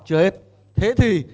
chưa hết thế thì